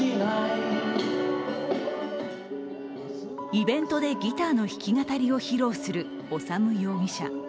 イベントでギターの弾き語りを披露する修容疑者。